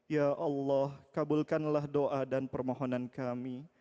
ya allah kabulkanlah doa dan permohonan kami